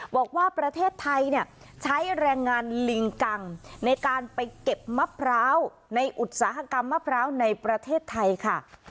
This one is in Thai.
บอกว่าประเทศไทยเนี่ยใช้แรงงานลิงกังในการไปเก็บมะพร้าวในอุตสาหกรรมมะพร้าวในประเทศไทยค่ะ